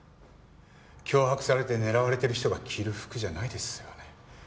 脅迫されて狙われてる人が着る服じゃないですよね。